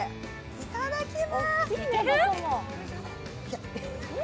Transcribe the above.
いただきまーす。